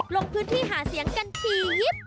ลงพื้นที่หาเสียงกันถี่ยงิบ